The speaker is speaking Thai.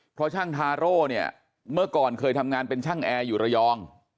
เพราะช่างทาโร่เนี่ยเมื่อก่อนเคยทำงานเป็นช่างแอร์อยู่ระยอง